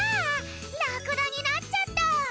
ラクダになっちゃった！